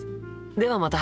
ではまた。